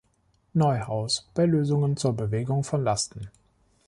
Neuhaus bei Lösungen zur Bewegung von Lasten.